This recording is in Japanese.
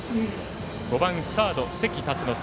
５番、サード関辰之助。